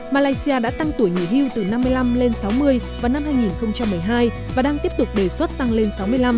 malaysia đã tăng tuổi nghỉ hưu từ năm mươi năm lên sáu mươi vào năm hai nghìn một mươi hai và đang tiếp tục đề xuất tăng lên sáu mươi năm